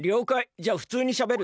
じゃあふつうにしゃべるね。